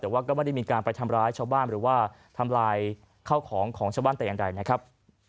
แต่ว่าก็ไม่ได้มีการไปทำร้ายชาวบ้านหรือว่าทำลายข้าวของของชาวบ้านแต่อย่างใดนะครับ